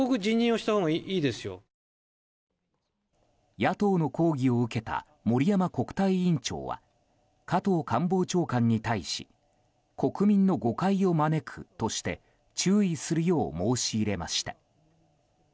野党の抗議を受けた森山国対委員長は加藤官房長官に対し国民の誤解を招くとして注意するよう申し入れました。